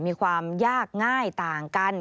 มีความยากง่ายต่างกัน